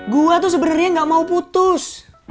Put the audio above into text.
gue tuh sebenarnya gak mau putus